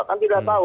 kan tidak tahu